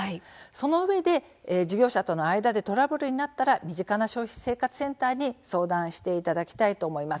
そのうえで事業者との間でトラブルになったら身近な消費生活センターに相談していただきたいと思います。